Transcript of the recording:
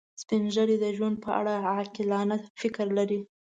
سپین ږیری د ژوند په اړه عاقلانه فکر لري